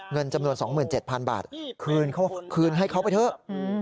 เงินจำนวน๒๗๐๐๐บาทคืนให้เขาไปเถอะ